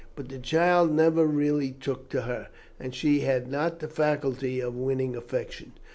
But the child never really took to her, as she had not the faculty of winning affection.